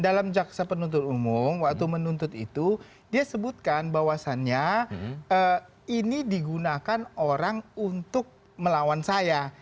dalam jaksa penuntut umum waktu menuntut itu dia sebutkan bahwasannya ini digunakan orang untuk melawan saya